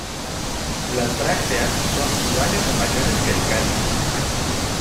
Las brácteas son iguales o mayores que el cáliz.